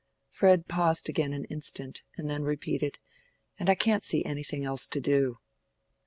Fred paused again an instant, and then repeated, "and I can't see anything else to do."